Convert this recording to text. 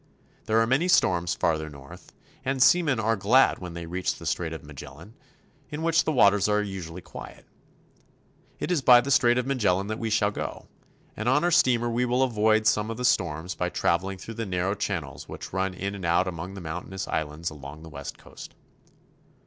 There are many storms farther north, and seamen are glad when they reach the Strait of Magellan, in which the waters are usually quiet. It is by the Strait of Magellan that we shall go, and our steamer will avoid some of the storms by traveling through the narrow channels which run in and out among the moun tainous islands along the west coast.